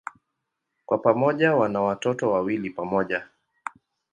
Kwa pamoja wana watoto wawili pamoja.